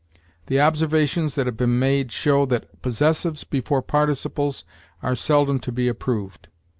The observations that have been made show that possessives before participles are seldom to be approved.